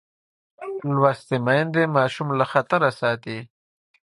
لوستې میندې ماشوم له خطره ساتي.